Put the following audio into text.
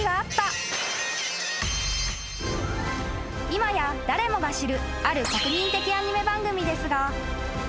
［今や誰もが知るある国民的アニメ番組ですが］